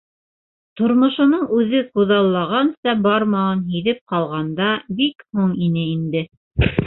Тормошоноң үҙе күҙаллағанса бармауын һиҙеп ҡалғанда, бик һуң ине инде.